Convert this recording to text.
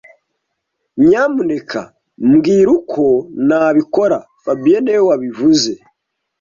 Nyamuneka mbwira uko nabikora fabien niwe wabivuze